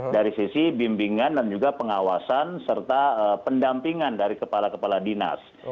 dari sisi bimbingan dan juga pengawasan serta pendampingan dari kepala kepala dinas